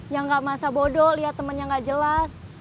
yang gak masa bodoh liat temennya gak jelas